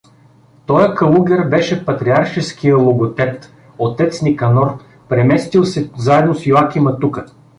Тоя калугер беше патриаршеския логотет, отец Никанор, преместил се заедно с Иоакима тука.